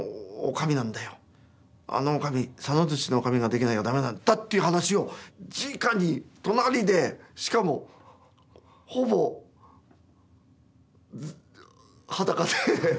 「あの女将佐野槌の女将ができないとだめなんだ」っていう話をじかに隣でしかもほぼ裸で。